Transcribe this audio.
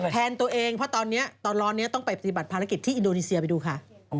เพราะตอนร้อนนี้ต้องไปปฏิบัติภารกิจที่อินโดนีเซียไปดูค่ะ